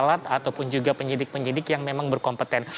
alat ataupun juga penyidik penyidik yang memang berkompeten